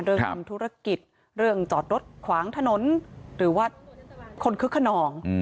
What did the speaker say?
ทำธุรกิจเรื่องจอดรถขวางถนนหรือว่าคนคึกขนอง